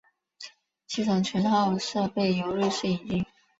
系统全套设备由瑞士引进。